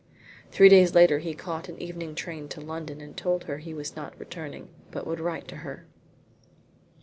Three days later he caught an evening train to London and told her he was not returning, but would write to her.